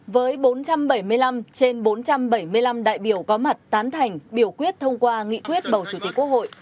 với bốn trăm bảy mươi năm trên bốn trăm bảy mươi năm đại biểu có mặt tán thành biểu quyết thông qua nghị quyết bầu chủ tịch quốc hội